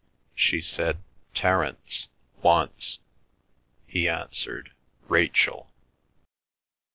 She said "Terence" once; he answered "Rachel."